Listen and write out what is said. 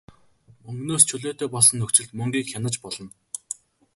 Мөнгөнөөс чөлөөтэй болсон нөхцөлд мөнгийг хянаж болно.